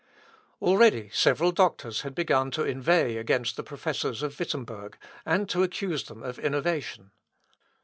Already several doctors had begun to inveigh against the Professors of Wittemberg, and to accuse them of innovation.